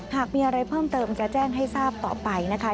หากมีอะไรเพิ่มเติมจะแจ้งให้ทราบต่อไปนะคะ